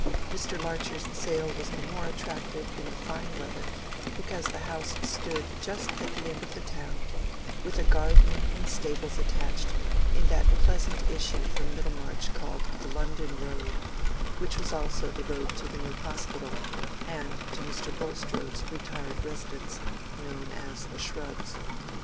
Mr. Larcher's sale was the more attractive in the fine weather because the house stood just at the end of the town, with a garden and stables attached, in that pleasant issue from Middlemarch called the London Road, which was also the road to the New Hospital and to Mr. Bulstrode's retired residence, known as the Shrubs.